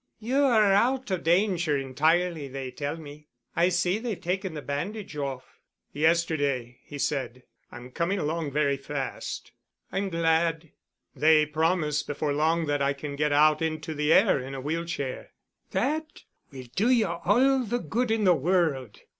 "You are out of danger entirely, they tell me. I see they've taken the bandage off." "Yesterday," he said. "I'm coming along very fast." "I'm glad." "They promise before long that I can get out into the air in a wheel chair." "That will do you all the good in the world."